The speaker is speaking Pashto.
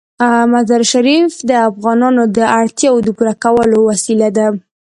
مزارشریف د افغانانو د اړتیاوو د پوره کولو وسیله ده.